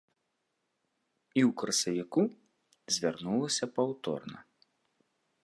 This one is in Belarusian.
І ў красавіку звярнулася паўторна.